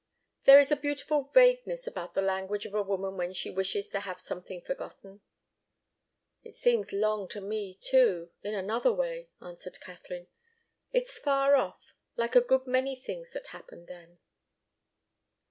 There is a beautiful vagueness about the language of a woman when she wishes to have something forgotten. "It seems long to me, too, in another way," answered Katharine. "It's far off like a good many things that happened then."